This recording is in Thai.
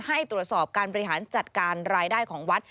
ให้ตรวจสอบการบริหารจัดการรายได้ของวัด